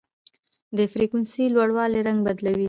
د فریکونسۍ لوړوالی رنګ بدلوي.